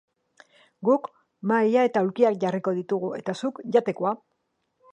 Guk mahai eta aulkiak jarriko ditugu eta zuk jatekoa.